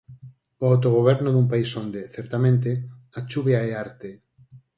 O autogoberno dun país onde, certamente, a chuvia é arte.